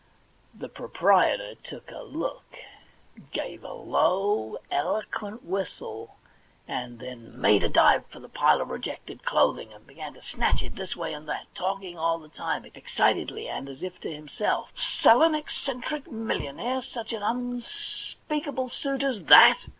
The proprietor took a look, gave a low, eloquent whistle, then made a dive for the pile of rejected clothing, and began to snatch it this way and that, talking all the time excitedly, and as if to himself :* Sell an eccentric millionaire such an unspeak 14 THE £1,000,000 BANK NOTE able suit as that